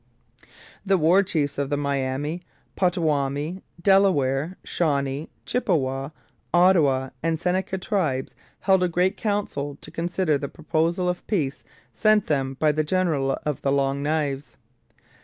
The war chiefs of the Miami, Potawatomi, Delaware, Shawnee, Chippewa, Ottawa, and Seneca tribes held a great council to consider the proposal of peace sent them by the general of the Long Knives.